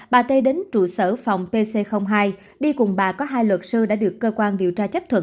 bà t đến trụ sở phòng pc hai đi cùng bà có hai luật sư đã được cơ quan điều tra chấp thuận